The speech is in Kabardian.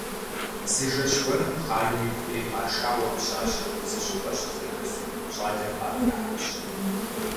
Зы жэщ гуэрым хъаным ипхъури къашауэ пщащэхэр зыщӀыпӀэ щызэхэсу щӀалэр къахыхьащ.